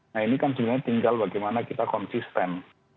nah ini kan sebenarnya tinggal bagaimana kita konsisten